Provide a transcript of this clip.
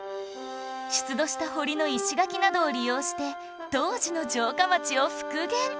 出土した堀の石垣などを利用して当時の城下町を復元！